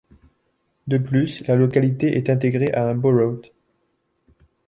De plus la localité est intégrée à un Borought.